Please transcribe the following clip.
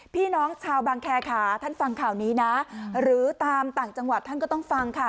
พี่น้องชาวบางแคร์ค่ะท่านฟังข่าวนี้นะหรือตามต่างจังหวัดท่านก็ต้องฟังค่ะ